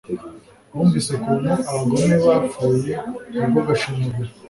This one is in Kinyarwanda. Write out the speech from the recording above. bumvise ukuntu abagome bapfuye urw'agashinyaguro